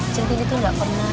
centini tuh gak pernah